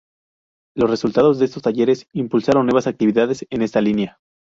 Los resultados de estos talleres impulsaron nuevas actividades en esta línea.